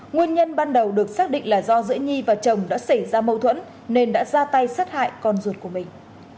nguyên nhân ban đầu được xác định là do giữa nhi và chồng đã xảy ra mâu thuẫn nên đã ra tay sát hại con ruột của mình